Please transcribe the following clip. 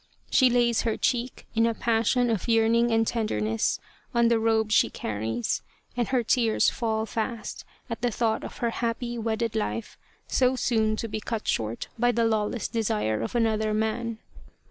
She lays her cheek, in a passion of yearning and tenderness, on the robe she carries, and her tears fall fast at the thought of her happy wedded life, so soon to be cut short by the lawless desire of another man.